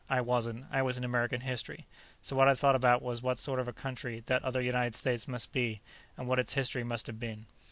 I wasn't; I was in American history. So what I thought about was what sort of country that other United States must be, and what its history must have been.